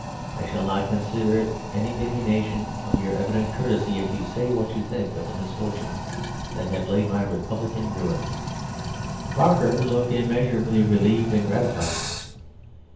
I shall not consider it any diminution of your evident courtesy if you say what you think of the misfortunes that have laid my republic in ruins." Barker looked immeasurably relieved and gratified.